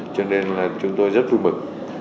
cho nên là chúng tôi rất vui mực